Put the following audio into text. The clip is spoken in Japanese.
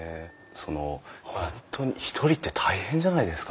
その本当に１人って大変じゃないですか？